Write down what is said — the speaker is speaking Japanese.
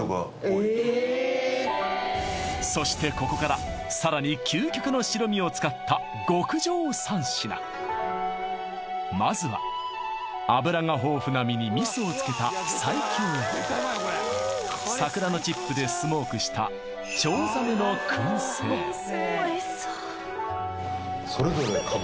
そしてここからさらに究極の白身を使った極上３品まずは脂が豊富な身に味噌をつけた西京焼き桜のチップでスモークしたそれぞれ嗅ぐ